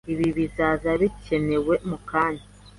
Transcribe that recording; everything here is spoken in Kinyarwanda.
Ibi bizaza bikenewe mukanya.